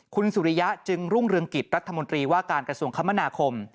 คุณสุริยะจึงรุ่งเรืองกิจรัฐมนตรีว่าการกระทรวงคมนาคม